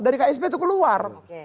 dari ksb itu keluar